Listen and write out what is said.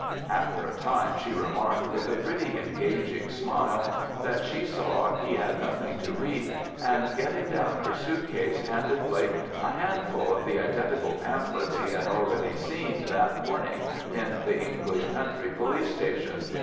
After a time she remarked, with a pretty engaging smile, that she saw he had nothing to read, and getting down her suit case, handed Blake a handful of the identical pamphlets he had already seen that morning in the English country police station.